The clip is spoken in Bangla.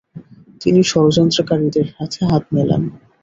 তিনি ষড়যন্ত্রকারীদের সাথে হাত মেলান।